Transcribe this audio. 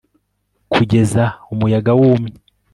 kugeza umuyaga wumye